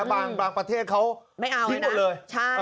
บางประเทศเขาชี้หมดเลย